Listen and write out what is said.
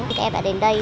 các em đã đến đây